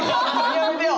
やめてよ！